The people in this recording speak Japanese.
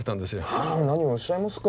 あ何をおっしゃいますか。